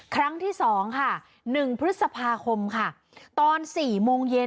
ครั้งที่๒ค่ะ๑พฤษภาคมค่ะตอน๔โมงเย็น